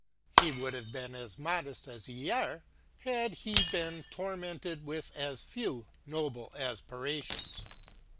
He would have been as modest as ye are, had he been tormented with as few noble aspirations.